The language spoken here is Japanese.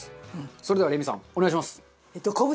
それではレミさんお願いします。